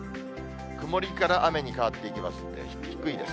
曇りから雨に変わっていきますんで、低いです。